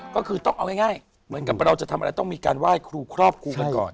ก็คือต้องเอาง่ายเหมือนกับเราจะทำอะไรต้องมีการไหว้ครูครอบครูกันก่อน